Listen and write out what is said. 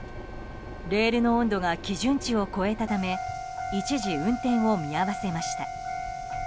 レールの温度が基準値を超えたため一時、運転を見合わせました。